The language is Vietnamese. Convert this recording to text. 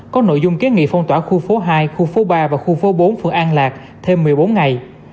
có nội dung kiến nghị phong tỏa khu phố hai khu phố ba và khu phố bốn phường an lạc thêm một mươi bốn ngày